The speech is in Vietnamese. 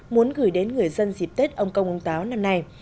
muốn gửi đến người dân dịp tết ông công ông táo năm nay